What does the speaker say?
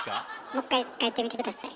もう一回書いてみて下さい。